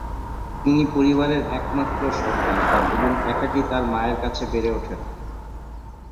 তিনি পরিবারের একমাত্র সন্তান এবং একাকী তার মায়ের কাছে বেড়ে ওঠেন।